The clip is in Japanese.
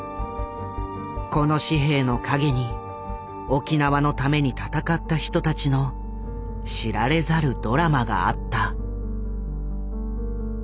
この紙幣の陰に沖縄のために闘った人たちの知られざるドラマがあった。